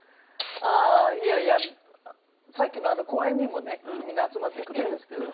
ああいやいやさっきのあの公園にもねみんな集まってくるんですけど。